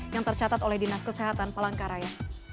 yang tercatat oleh dinas kesehatan palangkaraya